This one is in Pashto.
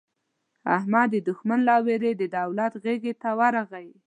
احمد د دوښمن له وېرې د دولت غېږې ته ورغی.